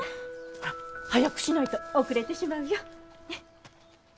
ほら早くしないと遅れてしまうよ。